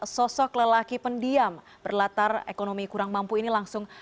sosok lelaki pendiam berlatar ekonomi kurang mampu ini langsung